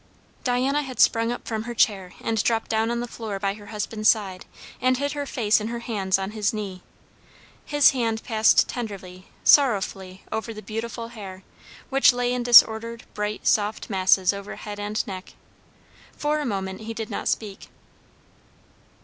Diana had sprung up from her chair and dropped down on the floor by her husband's side, and hid her face in her hands on his knee. His hand passed tenderly, sorrowfully, over the beautiful hair, which lay in disordered, bright, soft masses over head and neck. For a moment he did not speak.